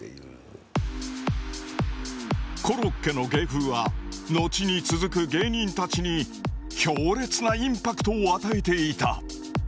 コロッケの芸風は後に続く芸人たちに強烈なインパクトを与えていた。